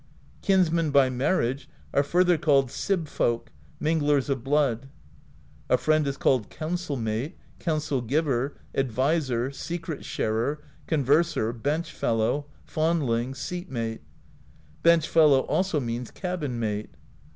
Kinsmen by marriage are further called Sib folk, Minglers of Blood. A friend is called Counsel Mate, Counsel Giver, Adviser, Secret Sharer, Converser, Bench Fellow, Fondling, Seat Mate; bench fellow also means Cabin Mate.